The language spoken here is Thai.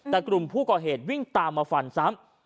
แต่กลุ่มผู้ก่อเหตุวิ่งตามมาฟันซ้ำ